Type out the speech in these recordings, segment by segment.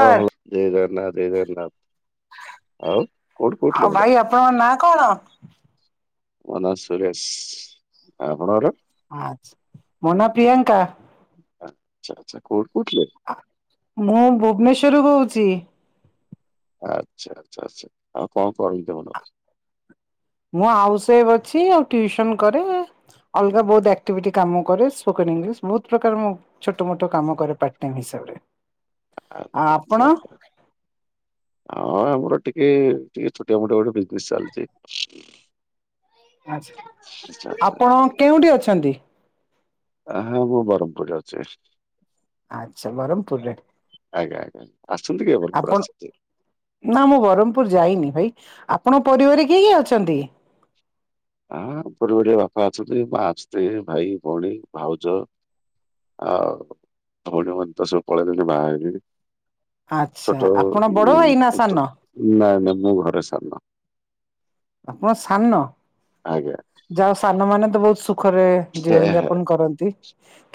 ହ ହୋଊ ଜଏ ଜଗନ୍ନାଥ ଜଏ ଜଗନ୍ନାଥ। ଆଉ କଉଠି କୋଉଠି ଆଉ ଲୋଗଡା ଭାଇ ଆପଣଙ୍କ ନାଁ କଣ? ମନା ସୁରେଶ ଆପଣଙ୍କର? ଆଚ ମୋ ନା ପ୍ରିୟଙ୍କା। ଆଛା ଆଛା କଉଠୁ କହୁଥିଲେ? ମୁଁ ଭୁବନେଶ୍ଵରୁୁ କହୁଛି। ଆଚ୍ଛା ଆଚ୍ଛା ଆଚ୍ଛା ଆଉ କ କରନ୍ତି ଆପଣ? ମୁଁ ଆଉସ ୱାଇଫ ଅଛି ଆଉ ଟିଉସନ କରେ। ଅଲଗା ବହୁତ ଆକ୍ଟିଭିଟି କାମ କରେ ସ୍ପୋକନ ଇଂଲିଶ ବହୁତ ପ୍ରକାର ମୁ ଛୋଟ ମୋଟ କାମ କରେ ପାର୍ଟ ଟାଇମ ହିସାବରେ। ଆଉ ଆଚଛା ଆପଣ ଆଛାା [inaudible] ହଁ ଆମର ଟିକେ ଟିକେ ଛୋଟିଆ ମୋଟିଆ ଗୋଟେ ବିଜନେସ ଚାଲିଛି। ଆଚ୍ଛା। ସେଟା ଆପଣ କେଉଁଠି ଅଛନ୍ତି? ହଁ ମୁଁ ବ୍ରହ୍ମପୁରରେ ଅଛି। ଆଚ୍ଛା ବରହମପୁରରେ? ଆଜ୍ଞା ଆଜ୍ଞା ଆସୁଛନ୍ତି କି ଭରପୁରରୁ ଆସିଛନ୍ତି? ନା ମୁଁ ବ୍ରହ୍ମପୁର ଯାଇନି ଭାଇ ଆପଣଙ୍କ ପରିବାର କିଏ କିଏ ଅଛନ୍ତି? ହଁ ବଡିଆ ବାପା ଅଛନ୍ତି ମା ଅଛନ୍ତି ଭାଇ, ଭଉଣୀ, ଭାଉଜ। ଆଉ ଭଉଣୀ ମାନେ ତ ସବୁ ପଳେଇଲେଣି ବାହାହେଲେଣି। ଆଚ୍ଛା ଆପଣ ବଡ ଭାଇ ନା ଛୋଟ ସାନ? ନାଇଁ ନାଇଁ ମୁଁ ଘରେ ସାନ। ଆପଣ ସାନ? ଆଜ୍ଞା। ଯାହା ହଉ ସାନ ମାନେ ତ ବହୁତ ସୁଖରେ ହେ ଜୀବନ ହେ ଯାପନ କରନ୍ତି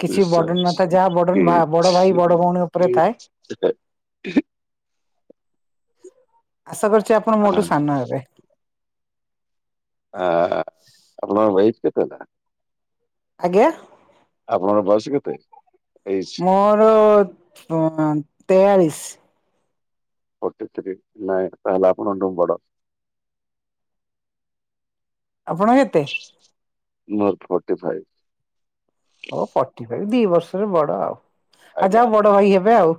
କିଛି ବଡନ ନଥାଏ ବିଶ୍ୱାସ ଯାହା ବଡନ ବଡ ଭାଇ ବଡ ଭଉଣୀ ଉପରେ ଥାଏ। ସେ ଆଶା କରୁଛି ଆପଣ ଆ ମୋଠୁ ସାନ ହେବେ। ହଁ ଆପଣ ୱଫ ଆଜ୍ଞା? ଆପଣ ବୟସ କେତେ ତେଇ ମୋର ତେୟାଳିଶ। ପଟିତ୍ରୀ ନାଇଁ ତାହେଲେ ଆପଣଙ୍କଠୁ ବଡ଼? ଆପଣ ମୋର ଫର୍ଟି ଫାଇଭ୍। ହଁ ଫଟି ଫାଇ ଦି ବର୍ଷରେ ବଡ ଆଉ ଆଉ ଆଜ୍ଞା ଯାହା ବଡ ଭାଇ ହେବେ ଆଉ।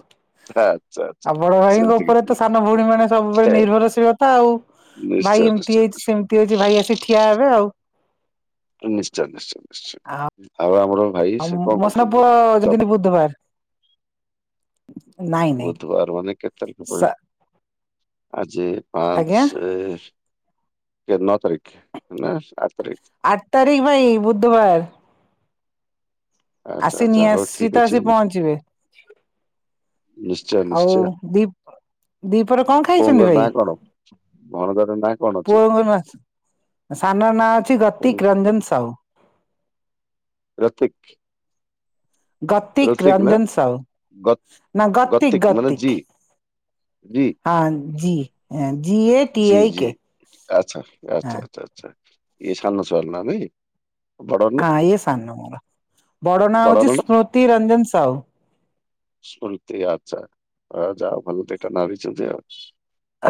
ଆଚ୍ଛା ଆଚ୍ଛା ଆଉ ବଡ ଭାଇଙ୍କ ସେମିତି ଉପରେ କିଛି ତ ନାହିଁ ସାନ ଭଉଣୀ ମାନେ ସବୁବେଳେ ନିର୍ଭରଶୀଳତା ଆଉ। ନିଶ୍ଚୟ ଭାଇ ଏମିତି ନିଶ୍ଚୟ ନିଶ୍ଚୟ ହେଇଛି ସେମିତି ହେଇଛି ଭାଇ ଆସି ଠିଆ ହେବେ ଆଉ। ନିଶ୍ଚୟ ନିଶ୍ଚୟ ନିଶ୍ଚୟ ଆଉ ଆମର ଭାଇ ଆଉ ସେ କଣ ମୋ ସାନ ପୁଅ କରୁଛନ୍ତି ଜପ? ଯଦି ବୁଧବାର। ନାଇଁ ନାଇଁ ବୁଧବାର ମାନେ କେତେ ତାରିଖ ପଡୁଛି ଆଜି ଆଜ୍ଞା ପାଞ୍ଚ କନକ ନଅ ତାରିଖ ନା ଆଠ ତାରିଖ? ଆଠ ତାରିଖ ଭାଇ ବୁଧବାର। ଆଚ୍ଛା ଆସି ଆଚ୍ଛା ନି ହଉ ଆସି ଠିକ ତ ଅଛି ଆସି ପହଞ୍ଚିବେ। ନିଶ୍ଚୟ ଆଉ ନିଶ୍ଚୟ ଦିପ ଦିପହରରେ କଣ ଖାଇଛନ୍ତି ଭାଇ? ମନୋଦର ନାଁ କଣ? ଅଛି? ପୁଅ ସାନର ନାଁ ଅଛି ଗତିକ ରଞ୍ଜନ ସାହୁ। ରତିିକ? ଗତିକ ରଚିକ ନା ରଞ୍ଜନ ସାହୁ ଗ ଗତିକ ମାନେ ଜୀ? ରି। ହଁ G A T G I G K. ଆଚ୍ଛା ହଁ ଆଚ୍ଛା ଆଚ୍ଛା ଆଚ୍ଛା ଇ ସାନ ଛଆଲ ନା ନାଇଁ? ବଡର ନା ହଁ ଇଏ ସାନ ମୋର ବଡ ନାଁ ବଡର ହଉଛି ନା ସ୍ମୃତି ରଞ୍ଜନ ସାହୁ। ଶଲତି ଆଚ୍ଛା ଆ ଯା ଭଲ ଦି ଟା ନାଁ ଦେଇଛନ୍ତି ଆଉ।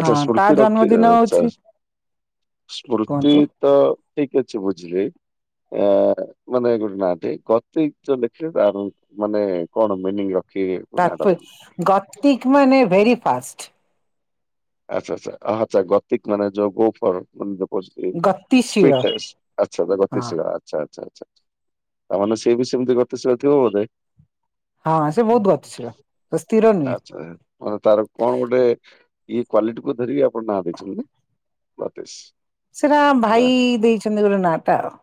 ଆଚ୍ଛା ତା ସ୍ମୃର୍ତି ରକ୍ଷି ଜନ୍ମଦିନ ହଉଛି ସ୍ମୁତି କୁହନ୍ତୁ ତ ଠିକ ଅଛି ବୁଝିଲି। ଆ ମାନେ ଗୋଟେ ନାଟେ ଗ ଯ ଦେଖିଲେ ତାର। ମାନେ କଣ ମିନିଂ ରଖି ତାପ ଗତିିକ ମାନେ ଭେରି ଫାଷ୍ଟ। ଆଚ୍ଛା ଆଛା ଆଚ୍ଛା ଗତିକ ମାନ ଯଉ ଗୋପର ପ ଆଚ୍ଛା ଗତି ସେ ଗତିଶୀଳ ହଁ ଆଚ୍ଛା ଆଚ୍ଛା ଆଚ୍ଛା ତାମାନେେ ସି ବି ସେମିତି ଗତିଶୀଳଥିବ ବୋଧେ। ହଁ ସେ ବହୁତ ଗତି ସେ ସ୍ଥିର ନୁହେଁ। ହଁ ତାର କଣ ଗୋଟେ ଇଏ କ୍ୱଵାଲିଟି କ ଧରିକି ଆପଣ ନାଁ ଦେଇଛନ୍ତି ନାତିଶ। ସେଟା ଭାଇ ଦେଇଛନ୍ତି ଗୋଟେ ନାଁ ଟା ଆଉ।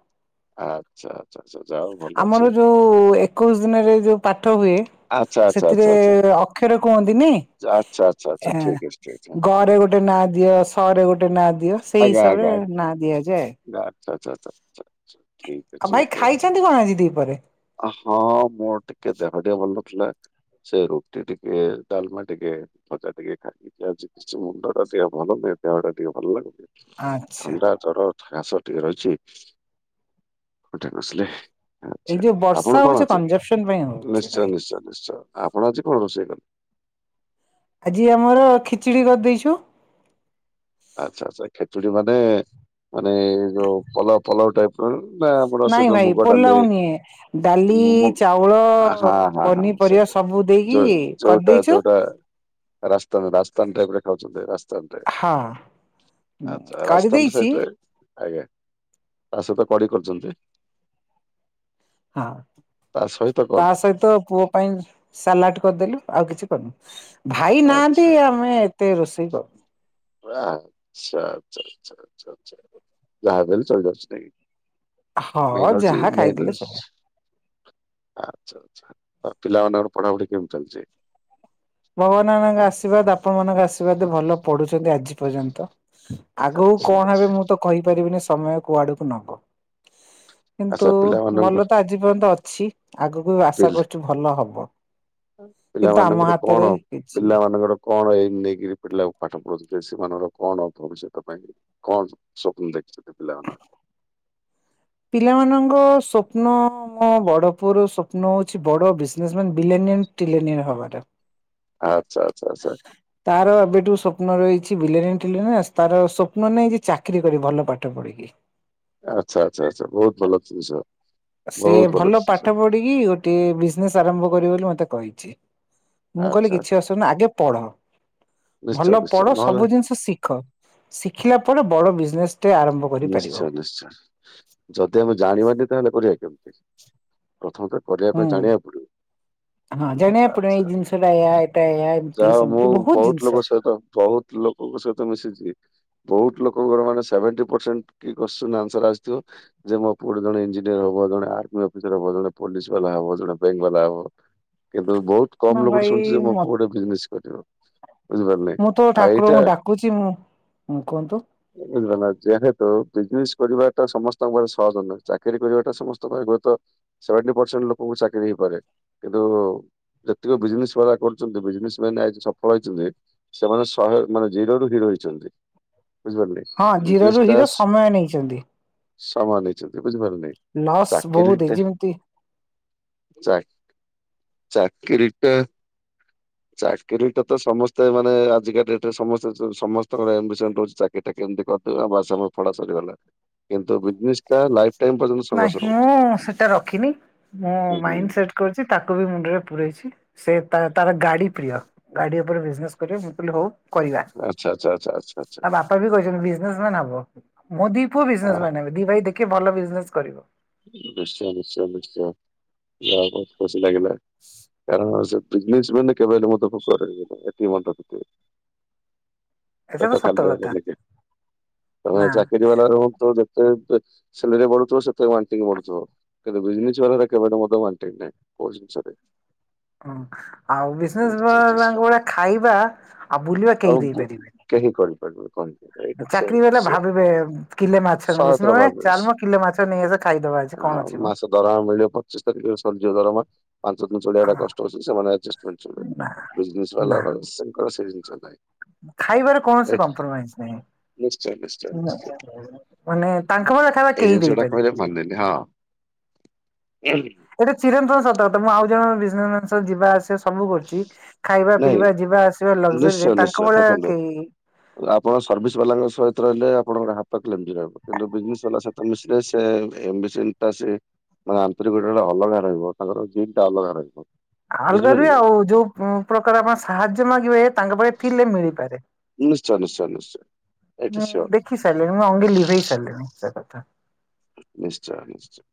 ଆଉ? ଆଚ୍ଛା ଆଚ୍ଛା ଛା ଛା ଛା ଆମର ଯୋଉ ଏକୋଇଶି ଦିନରେ ଯୋଉ ପାଠ ହୁଏ ଆଚ୍ଛା ଆଚ୍ଛା ଆଚ୍ଛା ସେଥିରେ ଆଚ୍ଛା ଅକ୍ଷର କୁହନ୍ତିନି ଆଚ୍ଛା ଆଚ୍ଛା ଆଚ୍ଛା ଆ ଠିକ୍ ଅଛି ଠିକ୍ ଅଛି ହଁ ଗ ହଁ ରେ ଗୋଟେ ନାଁ ଦିଅ ସ ରେ ଗୋଟେ ନା ଦିଅ ସେଇ ହିସାବରେ ନାଁ ଦିଆଯାଏ। ଆଛା ଆଛା ଆଛା ଛା ଛା। ଆଉ ଭାଇ ଖାଇଛନ୍ତି କଣ ଆଜି ଦିପହରେ? ଓ ହଁ ମୋର ଟିକେ ଦେହ ଟିକେ ଭଲ ନଥିଲା ସେ ରୁଟି ଟିକେ ଡାଲମା ଟିକେ ଭଜା ଟିକେ ଖାଇଦେଇଚି ଆଜି ଯୋଉ ମୁଣ୍ଡଟା ଭଲ ହେଉନି ଦେହ ଟା ଟିକେ ଭଲ ଲାଗୁନି ଆଚ୍ଛା ଥଣ୍ଡା ଜର କାସ ଟିକେ ରହିଛି ହଠା ଆସିଲେ ଏଇ ଆଚ୍ଛା ଯୋଉ ଆପଣ ବର୍ଷା କଣ ହଉଛି ଅଛି କଞ୍ଜପସନ ପାଇଁ ହଉଛି ନିଶ୍ଚୟ ଭାଇ। ନିଶ୍ଚୟ ନିଶ୍ଚୟ ଆପଣ ଆଜି କଣ ରୋଷେଇ କଲେ? ଆଜି ଆମର ଖିଚିଡି କରିଦେଇଛୁ ଆଚ୍ଛା ଆଚ୍ଛା ଖେଚୁଡ଼ି ମାନେ ମାନେ ଏଇ ଯୋଉ ପଲ ପଲଉ ଟାଇପ ଚାଉଳ ଟା ଆମର ସେ ନାଇଁ ଯୋଉ ଭାଇ ମୁଗଡ଼ୋଲି ପୋଲାଉ ନୁହେଁ। ଡାଲି ମୁ ମୁ ଚାଉଳ ହଁ ହ ହଁ ପନିପରିବା ସେଟା ସବୁ ଦେଇକି ଯୋଉ ଯୋଉଟା କରିଦେଇଛୁ। ଯୋଉଟା ରାସ୍ତ ରାସ୍ସ୍ତାନଟ ଖାଉଛନ୍ତି ରାସ୍ସ୍ତାନଟେ ହଁ କାଢ଼ି ସାଇଡ ଦେଇଛି ରେ ଆଜ୍ଞା ତା ସହିତ କଡି କରିଛନ୍ତି? ହଁ ତା ସହିତ କଣ ତା ସହିତ ପୁଅ ପାଇଁ ସାଲାଡ କରିଦେଲୁ ଆଉ କିଛି କରିନୁ। ଭାଇ ନାହାନ୍ତି ଆଚ୍ଛା ଆମେ ଏତେ ରୋଷେଇ କରୁ ଆଛା ଆଛା ଆଛ ଆଛ ଆଛ ଯାହାବି ହେଲେ ଚଳି ଯାଉଛି ନା କି? ହଁ ମାଇନରସି ଯାହା ଖାଇଥିଲେ ଚଳିବ। ମାଇନରସି ଆଚ୍ଛା ଆଚ୍ଛା ତ ପିଲମାନାନଙ୍କର ପଢାପଢି କେମିତି ଚାଲିଛି? ଭଗବାନ ମାନଙ୍କ ଆଶୀର୍ବାଦ ଆପଣ ମାନଙ୍କ ଆଶୀର୍ବାଦ ଭଲ ପଡୁଛନ୍ତି ଆଜି ପର୍ଯ୍ୟନ୍ତ ଆଗକୁ ଆଚ୍ଛା କଣ ଆଚ୍ଛା ହେବେ ମୁଁ ତ କହିପାରିବିନି ସମୟ କୁଆଡକୁ ନବ କିନ୍ତୁ ଆଚ୍ଛା ଭଲ ପିଲାମାନଙ୍କର ତ ଆଜି ଆଜି ପର୍ଯ୍ୟନ୍ତ ଅଛି ଆଗକୁ ଆଶା ପିଲ କରୁଚୁ ଭଲ ହବ କିନ୍ତୁ ଆମ ପିଲାମାନଙ୍କର ହାତ କଣ ପିଲା ମାନଙ୍କର କଣ ଏଇ ନେଇକିରି ପିଲା ପାଠ ପଢ଼ୁଥିଲେ ସେମାନଙ୍କର କଣ ଅର୍ଥ ହବ ସେଥିପାଇଁ କଣ ସ୍ୱପ୍ନ ଦେଖିଛନ୍ତି ପିଲାମାନେର? ପିଲାମାନଙ୍କର ସ୍ୱପ୍ନ ମୋ ବଡ ପୁଅର ସ୍ୱପ୍ନ ହଉଛି ବଡ ବିଜନେସ ମ୍ୟାନ ବିଲେନିୟନ ଟିଲେନିୟନ ହବାଟା। ଆଚ୍ଛା ଆଚ୍ଛା ଆଛା। ତାର ଏବେଠୁ ସ୍ୱପ୍ନ ରହିଛି ବିଲେନିୟନ ଟିଲେନିୟନ ତାର ସ୍ୱପ୍ନ ନାହିଁ ଯେ ଚାକିରି କରିବି ଭଲ ପାଠ ପଢିକି। ଆଚ୍ଛା ଆଚ୍ଛା ଆଚ୍ଛା ବହୁତ ଭଲ ଜିନିଷ। ସିଏ ବହୁତ ଭଲ ଡିସିସନ ପାଠ ପଢିକି ଗୋଟେ ବିଜନେସ ଆରମ୍ଭ କରିବ ବୋଲି ମତେ କହିଛି। ମୁଁ କହିଲି ଆଚ୍ଛା କିଛି ଅସୁନାଇ ଆଗେ ପଢ ନିଶ୍ଚୟ ଭଲ ନିଶ୍ଚୟ ପଢ ନହେଲେ ସବୁ ଜିନିଷ ଶିଖ। ଶିଖିଲା ପରେ ବଡ ବିଜନେସ ଟେ ଆରମ୍ଭ କରିପାରିବ। ନିଶ୍ଚୟ ନିଶ୍ଚୟ ଯଦି ଆମେ ଜାଣିବାନି ତାହେଲେ କରିବା କେମିତି? ପ୍ରଥମେ ତ କରିବା ହୁଁ ପାଇଁ ଜାଣିବାକୁ ପଡିବ। ଆଛା କେବେ ଏୟା ଏଟା ଏୟା ଏମିତି ଯାହା ମୁଁ ସେମିତି ଜିନିଷ। ବହୁତ ଲୋକ ସହିତ ବହୁତ ଲୋକଙ୍କ ସହିତ ମିଶିଛି ବହୁତ ଲୋକଙ୍କର ମାନେ ସେଭେନଟି ପର୍ସେଣ୍ଟ କି କୋତ୍ସିନର୍ ଆନସର ଆସିଥିବ ଯେ ମୋ ପୁଅ ଜଣେ ଇଞ୍ଜିନିୟର ହବ ଜଣେ ଆର୍ମି ଅଫିସର ହବ ଜଣେ ପୋଲିସ ବାଲା ହବ ଜଣେ ବ୍ୟାଙ୍କ ବାଲା ହବ କେବେ କିନ୍ତୁ ବହୁତ ନା କମ ଲୋକଠୁ ଭାଇ ଶୁଣିଚି ଯେ ମୋ ମ ପୁଅ ଗୋଟେ ବିଜନେସ କରିବ। ବୁଝିପାରିଲେ ମୁଁ ତ ଆଉ ଏଇଟା ଠାକୁରଙ୍କୁ ଡାକୁଛି ମୁଁ କୁହନ୍ତୁ ଯେହେତୁ ବିଜନେସ କରିବାଟା ସମସ୍ତଙ୍କ ପାଖେ ସହଜ ନୁହେଁ। ଚାକିରି କରିବାଟା ସମସ୍ତଙ୍କ ପାଇଁ ହୁଏତ ସେଭେନ୍ଟି ପରସେଣ୍ଟ ଲୋକଙ୍କୁ ଚାକିରି ହେଇପାରେ କିନ୍ତୁ ଯେତିକ ବିଜନେସ ବାଲା କରୁ ଛନ୍ତି ବିଜନେସ ମ୍ୟାନ ଆଜି ସଫଳ ହେଇଛନ୍ତି ସେମାନେ ଶହେ ମାନେ ଜିରୋ ରୁ ହିରୋ ହେଇଛନ୍ତି। ବୁଝିପାରଲେ, ହଁ ଜିରୋ ବିଜନେସ ରୁ ଟା ହିରୋ ସମୟ ନେଇଛନ୍ତି। ସମୟ ନେଇଛନ୍ତି ବୁଝିପାରିଲେ, ଲସ୍ ବହୁତ ହେଇଛି ଚାକିରିଟା ଯେମିତି ଚାକ ଚାକିରିଟା ଚାକିରୀଟା ତ ସମସ୍ତେ ମାନେ ଆଜିକା ଡେଟରେ ସମସ୍ତେ ସମସ୍ତଙ୍କର ଆମ୍ବିସନ୍ ରହୁଛି ଚାକ ଏଇଟା କେମିତି କରିଦେଲା ବାସ ଆମ ପଢ଼ା ସରିଗଲା, କିନ୍ତୁ ବିଜନେସଟା ଲାଇଫ ଟାଇମ ପର୍ଯ୍ୟନ୍ତ ନାଇଁ ସଂଘର୍ଷ ରହୁଛି। ମୁଁ ସେଟା ରଖିନି, ମୁଁ ମାଇଣ୍ଡ ହୁଁ ସେଟ୍ କରଛି ତାକୁ ବି ମୁଣ୍ଡରେ ପୁରେଇଛି। ସେ ତା-ତାର ଗାଡି ପ୍ରିୟ ଗାଡି ଉପରେ ବିଜନେସ କରିବ, ସିମ୍ପଲି ହଉ। କରିବା। ଆଚ୍ଛା ଆଛା। ଚ୍ଛା ଆଛା ଆଛା। ତା ବାପା ବି କହିଛନ୍ତି ବିଜନେସ ମ୍ୟାନ ହବ, ମୋ ଦି ପୁଅ ବିଜନେସ ଆଃ ମ୍ୟାନ ହେବେ। ଦି ଭାଇ ଦେଖି ଭଲ ବିଜନେସ କରିବ। ନିଶ୍ଚୟ ନିଶ୍ଚୟ ନିଶ୍ଚୟ, ଯା ବହୁତ ଖୁସି ଲାଗିଲା କାରଣ ସେ ବିଜନେସ ମ୍ୟାନ୍ କେବେ ରୁଣ ତକ କରେନି ଏତିକି ମନେ ରଖିଥିବେ। ଏଟା ତ ପେଟ ସତ ଖାଲିି କଥା କରିକି, ତମେ ନା ଚାକିରି ବାଲା ରହୁନ୍ତୁ ଯେମତି ଯେତେ ସେଲରେ ବଢୁଥିବ ସେତେ ବାଣ୍ଟିକି ବଢୁଥିବ। କିନ୍ତୁ ବିଜନେସ ବାଲା ର କେବେ ହେଲେ ମଧ୍ୟ ୱାନ ଟେକ୍ ନାହିଁ କୋଉ ଜିନିଷ ରେ। ହଁ ଆଉ ବିଜନେସ ଆଚ୍ଛା ଆଚ୍ଛା ମ୍ୟାନ ଆଚ୍ଛା ଙ୍କ ଭଳିଆ ଖାଇବା ଆଉ ବୁଲିବା ଆଉ କେହି ବୁ- ଦେଇପାରିବେନି। କେହି କରିପାରିବେନି କରନ୍ତି। ଚାକିରି ବାଲା ଭାବିବେ କିଲେ ମାଛ ନେବି, ସହଜର ସେମାନେ ଭାବେ ଚାଲମ କିଲେ ମାଛ ନେଇଆସ ଖାଇଦବା ଆଜି। କଣ ଆଉ ଅଛି ମ। ମାସ ଦରମା ମିଳିବ ପଚିଶ ତାରିଖରେ ସରିଯିବ ଦରମା ପାଞ୍ଚ ଦିନ ଚଳିବାଟା ହଁ, କଷ୍ଟ ହଉଛି ସେମାନେ ଆଡଜଷ୍ଟମେଣ୍ଟ ନା ବିଜିନେସ୍ ବାଲାର ସେ ତାଙ୍କର ସେ ଜିନିଷ ନାହିଁ। ଖାଇବାର ଏ କୌଣସି କମ୍ପ୍ରୋମାଇଜ ନାହିଁ। ନିଶ୍ଚୟ ନିଶ୍ଚୟ ନିଶ୍ଚୟ ମାନେ ତାଙ୍କ ମ ଖାଇବା କେହି ଦେଇପାରିବେନି। ଏ ହଁ। ଗୋଟେ ଚିରନ୍ତନ ସତ କଥା ମୁଁ ଆଉ ଜଣଙ୍କ ବିଜନେସ୍ ମ୍ୟାନ୍ ସହ ଯିବା ଆସି ସେ ସବୁ କରୁଛି, ଖାଇବା ନାଇଁ ପିଇବା ଯିବା ଆସିବା ନିଶ୍ଚୟ ଲଗଜରୀରେ ନିଶ୍ଚୟ ତାଙ୍କ ଭଳିଆ ଦେଖନ୍ତୁ। କେହି ଆପଣ ସର୍ଭିସ୍ ବାଲାଙ୍କ ସହିତ ରହିଲେ ଆପଣଙ୍କର ହାତ [unintelligible] ରହିବ କିନ୍ତୁ ବିଜିନେସ୍ ବାଲା ସ ତ ମିଶିଲେ ସେ ଏମ୍ ବି ସେନ୍ ଟା ସେ ମାନେ ଆନ୍ତରିକତା ଟା ଗୋଟେ ଅଲଗା ରହିବ। ତାଙ୍କର ଜିନ୍ ଟା ଅଲଗା ରହିବ। ବୁଝିପାରିଲେ [unintelligible] ନା? ଆଉ ଯୋଉ ପ୍ରକାର ଆପଣ ସାହାଯ୍ୟ ମାଗିବେ ତାଙ୍କ ପାଖେ ଥିଲେ ମିଳିପାରେ। ନିଶ୍ଚୟ ନିଶ୍ଚୟ ନିଶ୍ଚୟ ଏଇଟା ଶିଓର। ଖି ସାରିଲିଣୀ ମୁଁ ଅଙ୍ଗେ ଲିଭେଇ ସାରିଲିଣି ସେ କଥା। ନିଶ୍ଚୟ ନିଶ୍ଚୟ।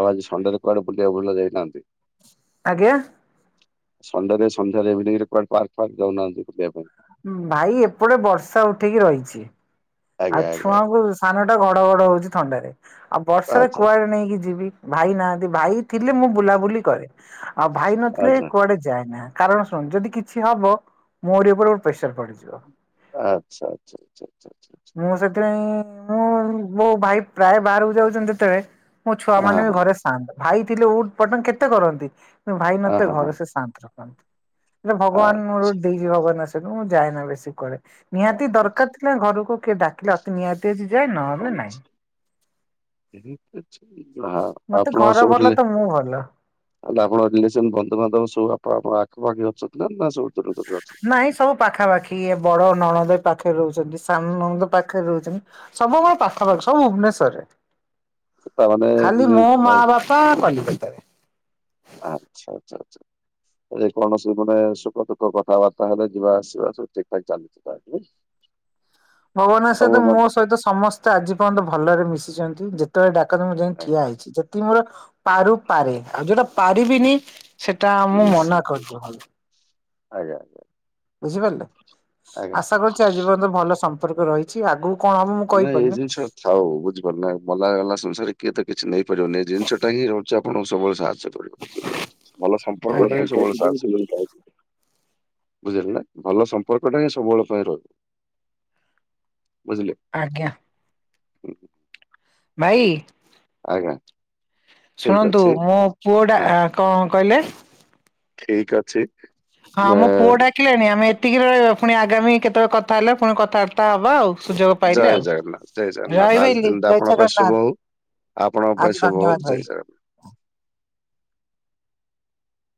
ଆଉ ଆଜି ସନଡେ ରେ କୁଆଡେ ବୁଲିବାକୁ ହେଲେ ଯାଇନାହାନ୍ତି? ଆଜ୍ଞା? ସନ୍ଧ୍ୟାରେ ସନ୍ଧ୍ୟାରେ ଇଭିନିଂ ରେ କୁଆଡେ ପାର୍କ ଫାର୍କ ଯାଉନାହାନ୍ତି ବୁଲିବା ପାଇଁ? ଭାଇ ଏପଟେ ବର୍ଷା ଉଠେଇକି ରହିଛି। ଆଉ ଆଜ୍ଞା ଆଜ୍ଞା ଛୁଆଙ୍କୁ ସାନ ଟା ଘଡଘଡ ହଉଛି ଥଣ୍ଡାରେ, ଆଉ ବର୍ଷାରେ କୁଆଡେ ନେଇକି ଯିବି? ଭାଇ ନାହାନ୍ତି ଭାଇ ଥିଲେ ମୁଁ ବୁଲାବୁଲି କରେ, ଆଉ ଭାଇ ନଥିଲେ ଆଜ୍ଞା କୁଆଡେ ଯାଏନା। କାରଣ ଶୁଣ ଯଦି କିଛି ହବ ମୋରି ଉପରେ ଗୋ ପ୍ରେସର ପଡିଯିବ। ଆଚ୍ଛା ଆଚ୍ଛ ଆଛା ଆଛା ଛା। ମୁଁ ସେଥିପାଇଁ ମୁଁ ମୋ ଭାଇ ପ୍ରାୟ ବାହାରକୁ ଯାଉଛନ୍ତି ଯେତେବେଳେ ମୋ ଛୁଆ ମାନେ ହଁ ବି ହଁ। ଘରେ ଶାନ୍ତ। ଭାଇ ଥିଲେ ଉଟ ପଟଙ୍ଗ କେତେ କରନ୍ତି, ଭାଇ ଆ ନଥିଲେ ହଁ ହଁ ଘରେ ସେ ଶାନ୍ତ। ହେଲେ ଆ- ଭଗବାନ ମୋର [unintelligible] ମୁଁ ଯାଏନା ବେଶୀ କୁଆଡେ। ଆ- ନିହାତି ଆଚ୍ଛା ଦରକାର ଥିଲା ଘରକୁ କିଏ ଡାକିଲେ ଅତି ନିହାତି ଅଛି ଯାଏ ନହଲେ ଆଚ୍ଛା। ନାଇଁ। ମତେ ଘର ଭଲ ତ ମୁଁ ଭଲ। [unintelligible] ଆପଣଙ୍କ ରିଲେସନ୍ ବନ୍ଧୁବାନ୍ଧବ ସବୁ ଆପ ଆପଣ ଆଖପାଖରେ ଅଛନ୍ତି ନା ନା ସବୁ ଦୂର ଦୂର ରେ ଅଛନ୍ତି? ନାଇଁ ସବୁ ପାଖାପାଖି ଏ ବଡ଼ ନଣନ୍ଦ ଏଇ ପାଖରେ ରହୁଛନ୍ତି, ସାନ ନଣନ୍ଦ ପାଖରେ ରହୁଛନ୍ତି। ସବୁ ମୋ ପାଖାପାଖି ସବୁ ଭୁବନେଶ୍ଵରରେ, ତାମାନେ ଖାଲି ମୋ ମା ଯେ- ବା କଣ କଲି? ଆଚ୍ଛା ଆଚ୍ଛା ଆଚ୍ଛା। ଏ କୌଣସି ମାନେ ସୁଖ ଦୁଃଖ କଥାବାର୍ତ୍ତା ହେଲେ ଯିବା ଆସିବା ସବୁ ଠିକ୍ ଠାକ୍ ଚାଲି [unintelligible] ଭଗବାନ ଙ୍କ ଆଶ୍ରୀବାଦ ମୋ ସହିତ ସମସ୍ତେ ଆଜି ପର୍ଯ୍ୟନ୍ତ ଭଲରେ ମିଶିଛନ୍ତି ଯେତେବେଳେ ଡା କାରଣ ମୁଁ ଯାଇ ଠିଆ ହେଇଛି, ଯେତିକି ମୋର ପାରୁ ପାରେ ଆଉ ଯୋଉଟା ପାରିବିନି ସେଟା ଆ ଆଜ୍ଞା ମୁଁ ନିଶ୍ଚୟ ମନା କରିଦିଏ ଭାଇ ଆଜ୍ଞା ଆଜ୍ଞା। ବୁଝିପାରିଲେ, ଆଜ୍ଞା ଆଶା କରୁଛି ଆଜିପର୍ଯ୍ୟନ୍ତ ଭଲ ସମ୍ପର୍କ ରହି ଛି ଆଗକୁ କଣ ହବ ମୁଁ କହିପାରୁନି। ହଉ ବୁଝିପାରୁ ନା ମଲା ଗଲା ସଂସାରେ କିଏ ତ କିଛି ନେଇପାରିବନି ଏ ଜିନିଷଟା ହିଁ ହଉଛି ଆପଣଙ୍କୁ ସବୁବେଳେ ସାହାଯ୍ୟ ଭଲ ସମ୍ପର୍କ ଟା ହିଁ ସବୁବେଳେ ସାହସି କରିଦିଏ। ବୁଝିଲେ ନା ଭଲ ସମ୍ପର୍କଟା ହିଁ ସବୁବେଳ ପାଇଁ ରହିବ। ବୁଝିଲେ। ଆଜ୍ଞା। ଉଁ ଭାଇ ଆଜ୍ଞା। ଠିକ ଶୁଣନ୍ତୁ ଅଛି ମୋ ପୁଅଟା ଆ କଣ କହିଲେ? ଠିକ୍ ଅଛି। ହଁ ଆ, ମୋ ପୁଅଟା ଦେଖିଲେଣି, ଆମେ ଏତିକିରେ ରହିବା। ପୁଣି ଆଗାମୀ କେତେବେଳେ କଥା ହେଲେ ପୁଣି କଥାବାର୍ତ୍ତା ହବା ଆଉ। ସୁଯୋଗ ପାଇଲେ ଜୟ ଆଉ। ଜଗନ୍ନାଥ ଜୟ ରହିଲି ଜଗନ୍ନାଥ ଭାଇ ଆଜି ଦିନଟା ଜୟ ଆପଣଙ୍କ ପାଇଁ ଜଗନ୍ନାଥ ଶୁଭ ହଉ। ଆପଣଙ୍କ ଆଜି ପାଇଁ ଶୁଭ ଧନ୍ୟବାଦ ହଉ ଭାଇ। ଜୟ ଜଗନ୍ନା